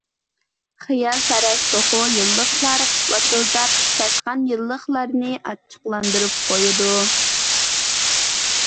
خىيالپەرەس توخۇ يىللىقلار ۋاتىلداپ چاشقان يىللىقلارنى ئاچچىقلاندۇرۇپ قويىدۇ.